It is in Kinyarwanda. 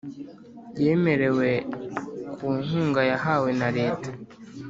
yemerewe ku nkunga yahawe na Leta